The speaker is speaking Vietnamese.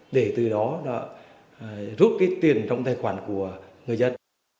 để từ đó rút cái tiền trong tài khoản của người dân